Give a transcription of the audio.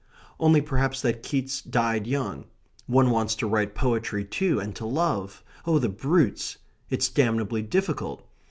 Only perhaps that Keats died young one wants to write poetry too and to love oh, the brutes! It's damnably difficult.